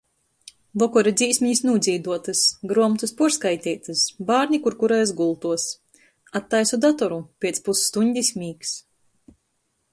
Vokora dzīsmenis nūdzīduotys, gruomotys puorskaiteitys, bārni kur kurais gultuos. Attaisu datoru, piec pusstuņdis mīgs.